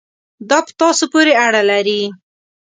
دا په تاسو پورې اړه لري.